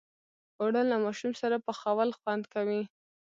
اوړه له ماشوم سره پخول خوند کوي